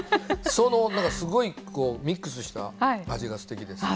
そのすごいこうミックスした味がすてきです。